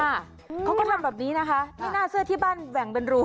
เขาก็ทำแบบนี้นะคะไม่น่าเสื้อที่บ้านแหว่งเป็นรู